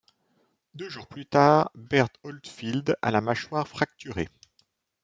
Deux jours plus tard, Bert Oldfield a la mâchoire fracturée.